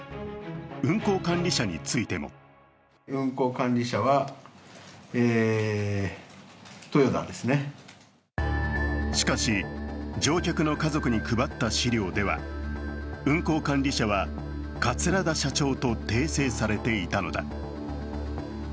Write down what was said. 運航管理者についてもしかし、乗客の家族に配った資料では運航管理者は桂田社長と訂正されていたのだ。